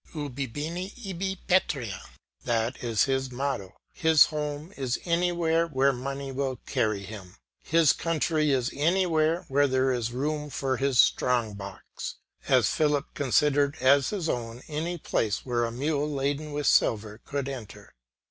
"Ubi bene, ibi patria," that is his motto; his home is anywhere where money will carry him, his country is anywhere where there is room for his strong box, as Philip considered as his own any place where a mule laden with silver could enter.